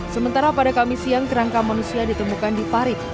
sementara pada kamis siang kerangka manusia ditemukan di parit